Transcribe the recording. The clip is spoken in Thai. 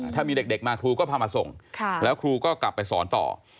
ถ้ามีเด็กมาครูก็พามาส่งแล้วครูก็กลับไปสอนต่อ